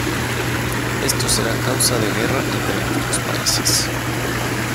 Esto será causa de guerra entre los dos países.